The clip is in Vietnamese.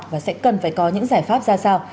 và sẽ cần phải có những giải pháp ra sao